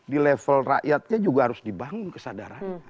di level rakyatnya juga harus dibangun kesadarannya